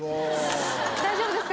大丈夫ですか？